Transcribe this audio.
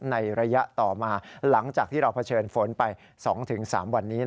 ในระยะต่อมาหลังจากที่เราเผชิญฝนไป๒๓วันนี้